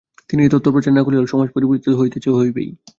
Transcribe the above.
আমি এই তত্ত্ব প্রচার না করিলেও সমাজ পরিবর্তিত হইতেছে ও হইবেই।